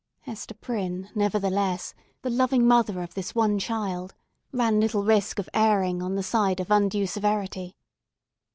Hester Prynne, nevertheless, the loving mother of this one child, ran little risk of erring on the side of undue severity.